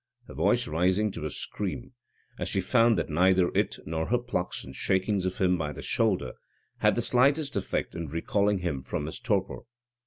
her voice rising to a scream, as she found that neither it nor her plucks and shakings of him by the shoulder had the slightest effect in recalling him from his torpor.